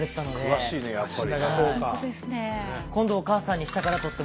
詳しいねやっぱり。